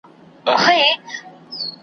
زما ملګری تل پر وخت راځي.